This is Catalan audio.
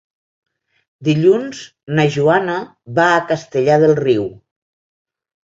Dilluns na Joana va a Castellar del Riu.